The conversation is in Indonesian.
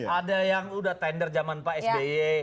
ada yang udah tender zaman pak sby